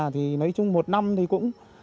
thì nói chung một năm thì cũng